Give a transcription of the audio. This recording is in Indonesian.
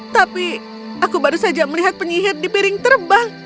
tapi aku baru saja melihat penyihir di piring terbang